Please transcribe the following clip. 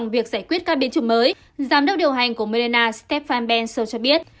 để giải quyết các biến chủng mới giám đốc điều hành của moderna stefan bensel cho biết